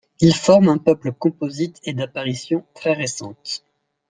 Ils forment un peuple composite et d'apparition très récente.